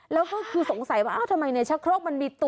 แล้วก็คือสงสัยว่าทำไมเนี่ยชักโครกมันมีตัวอะไร